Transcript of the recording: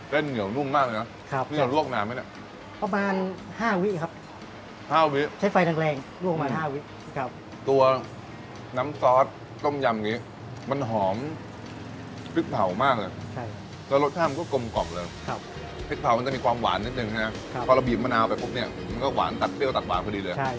เต้นเหงี่ยวนุ่มมากเลยนะครับแล้วลวกน้ำใช่มั้ย